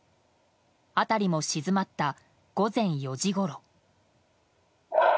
辺りも静まった、午前４時ごろ。